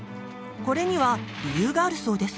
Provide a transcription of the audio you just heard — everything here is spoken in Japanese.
これには理由があるそうです。